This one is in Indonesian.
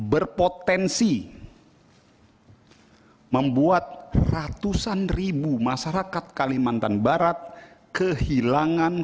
berpotensi membuat ratusan ribu masyarakat kalimantan barat kehilangan